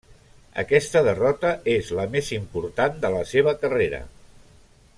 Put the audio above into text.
Aquesta derrota és la més important de la seva carrera.